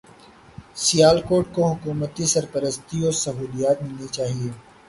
سیالکوٹ کو حکومتی سرپرستی و سہولیات ملنی چاہیے